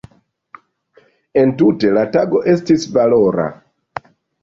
Entute la tago estis valora.